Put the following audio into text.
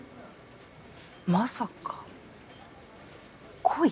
まさか恋？